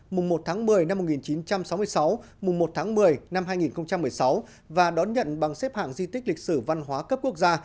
mùng một tháng một mươi năm một nghìn chín trăm sáu mươi sáu mùng một tháng một mươi năm hai nghìn một mươi sáu và đón nhận bằng xếp hạng di tích lịch sử văn hóa cấp quốc gia